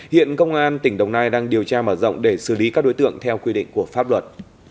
hiện công an tỉnh đồng nai đang điều tra mở rộng để xử lý các đối tượng theo quy định của pháp luật